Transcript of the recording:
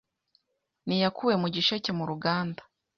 N’iyakuwe mu gisheke mu ruganda